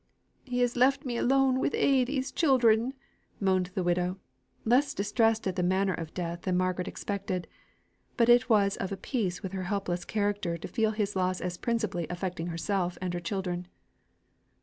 "He has left me alone wi' a' these children!" moaned the widow, less distressed at the manner of the death than Margaret expected; but it was of a piece with her helpless character to feel his loss as principally affecting herself and her children.